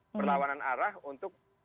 perlawanan arah untuk